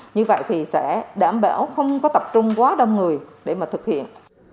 như vậy thì sẽ đảm bảo không có tập trung quá đông người để mà thực hiện